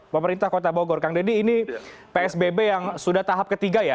pemerintah kota bogor kang deddy ini psbb yang sudah tahap ketiga ya